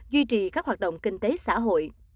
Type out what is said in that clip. duy trì các hoạt động kinh tế xã hội